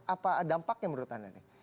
apa dampaknya menurut anda nih